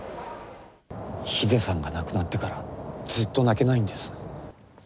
ｈｉｄｅさんが亡くなってから、ずっと泣けないんです。